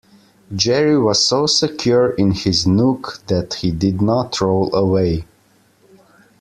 Jerry was so secure in his nook that he did not roll away.